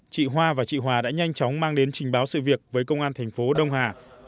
chị hoa và chị hòa đã nhanh chóng mang đến trình báo sự việc với công an thành phố đông hà